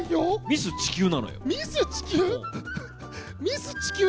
ミス・地球なのよ。